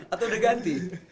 atau udah ganti